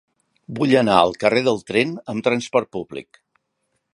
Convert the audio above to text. Vull anar al carrer del Tren amb trasport públic.